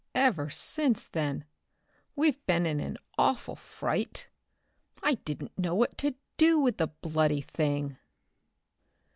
Ever since then we've been in an awful fright. I didn't know what to do with the bloody thing."